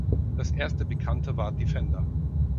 Das erste bekannte war Defender.